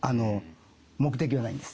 目的はないんです。